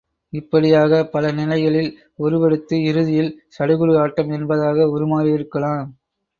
இப்படியாக பல நிலைகளில் உருவெடுத்து, இறுதியில் சடுகுடு ஆட்டம் என்பதாக உருமாறியிருக்கலாம்.